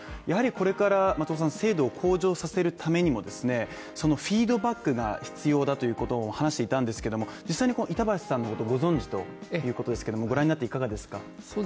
やはりこれからは精度を向上させるためにも、フィードバックが必要だということを話していたんですけども、実際に板橋さんのことをご存知ということですけどもご覧になっていかがですか。